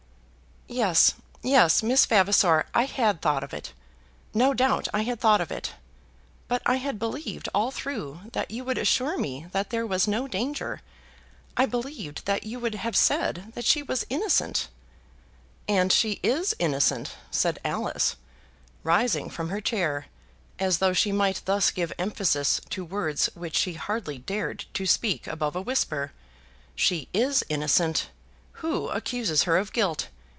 "Yes; yes, Miss Vavasor. I had thought of it. No doubt I had thought of it. But I had believed all through that you would assure me that there was no danger. I believed that you would have said that she was innocent." "And she is innocent," said Alice, rising from her chair, as though she might thus give emphasis to words which she hardly dared to speak above a whisper. "She is innocent. Who accuses her of guilt?